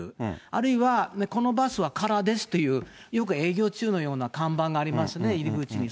あるいは、このバスは空ですという、よく営業中のような看板がありますね、入り口に。